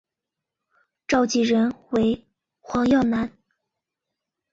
召集人为黄耀南。